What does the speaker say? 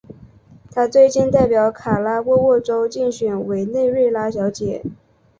她最近代表卡拉沃沃州竞选委内瑞拉小姐。